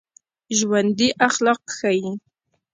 ژوندي اخلاق ښيي